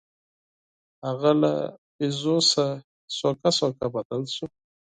هغه له بیزو څخه ورو ورو بدل شو.